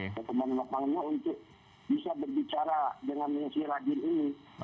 komandan lapangannya untuk bisa berbicara dengan nusiragil ini